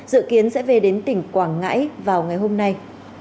dự kiến sẽ về đến tỉnh quảng ngãi vào ngày hôm nay